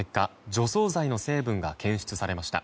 除草剤の成分が検出されました。